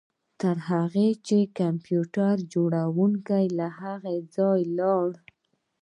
تر هغه چې د کمپیوټر جوړونکی له هغه ځایه لاړ